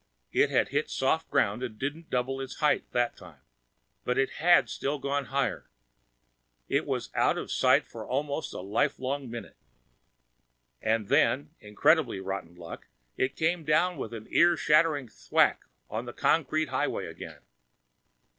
It had hit soft ground and didn't double its height that time, but it had still gone higher. It was out of sight for almost a lifelong minute. And then incredibly rotten luck it came down, with an ear shattering thwack, on the concrete highway again.